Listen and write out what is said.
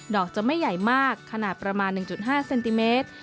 อกจะไม่ใหญ่มากขนาดประมาณ๑๕เซนติเมตร